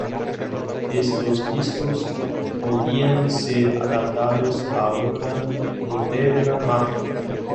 Estos discos podían ser adaptados a una linterna mágica.